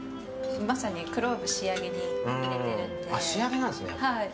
まさにクローブを仕上げに入れてるので。